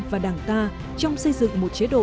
và đảng ta trong xây dựng một chế độ